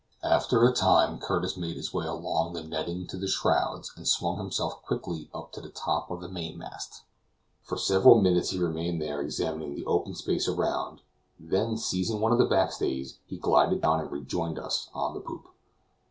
After a time Curtis made his way along the netting to the shrouds, and swung himself quickly up to the top of the mainmast. For several minutes he remained there examining the open space around, then seizing one of the backstays he glided down and rejoined us on the poop.